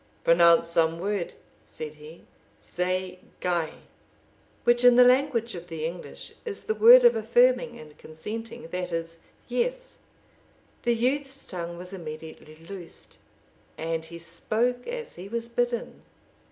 "Pronounce some word," said he; "say 'gae,' " which, in the language of the English, is the word of affirming and consenting, that is, yes. The youth's tongue was immediately loosed, and he spoke as he was bidden.